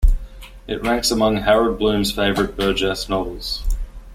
It ranks among Harold Bloom's favourite Burgess novels.